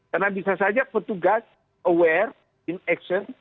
karena bisa saja petugas aware in action